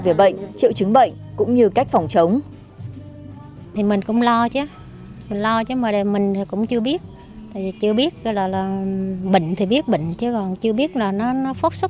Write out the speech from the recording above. về bệnh triệu chứng bệnh cũng như cách phòng chống